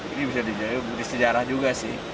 ini bisa dijadikan bukti sejarah juga sih